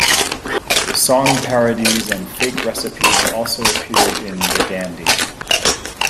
Song parodies and fake recipes also appeared in "The Dandy".